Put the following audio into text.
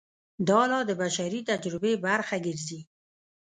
دا لار د بشري تجربې برخه ګرځي.